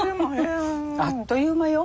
あっという間。